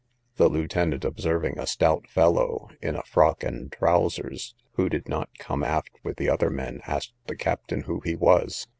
The lieutenant observing a stout fellow, in a frock and trowsers, who did not come aft with the other men, asked the captain who he was.